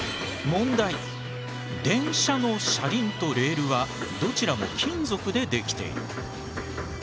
電車の車輪とレールはどららも金属で出来ている。